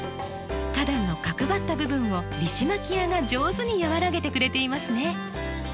花壇の角ばった部分をリシマキアが上手に和らげてくれていますね。